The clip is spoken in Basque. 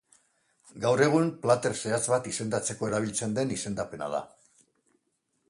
Gaur egun plater zehatz bat izendatzeko erabiltzen den izendapena da.